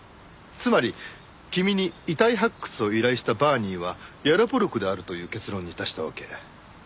つまり君に遺体発掘を依頼したバーニーはヤロポロクであるという結論に達したわけ。